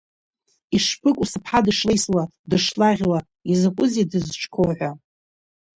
Ишԥыкәу сыԥҳа дышлеисуа, дышлаӷьуа, изакәызеи дызҿқәоу хәа.